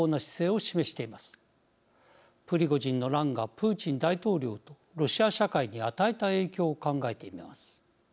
プリゴジンの乱がプーチン大統領とロシア社会に与えた影響を考えてみます。